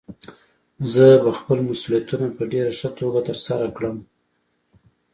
زه به خپل مسؤليتونه په ډېره ښه توګه ترسره کړم.